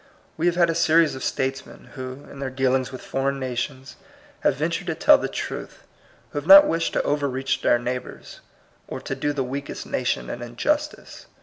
We have had a series of statesmen, who, in their dealings with foreign nations, have ventured to tell the truth, who have not wished to overreach their neighbors, or to do the weakest nation an injustice.